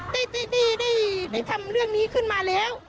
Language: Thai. ได้ได้ได้ได้ทำเรื่องนี้ขึ้นมาแล้ว